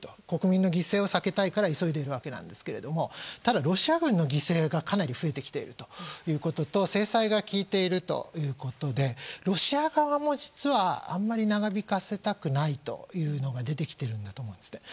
国民の犠牲を避けたいから急いでいるんですがただ、ロシア軍も犠牲がかなり増えてきているということと制裁が効いているということでロシア側もあまり長引かせたくないというところが出てきているんだと思います。